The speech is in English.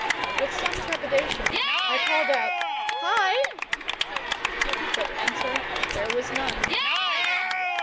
With some trepidation I called out, "Hi!" But answer there was none.